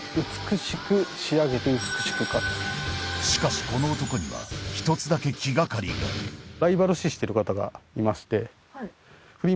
しかしこの男には１つだけ気掛かりがはい。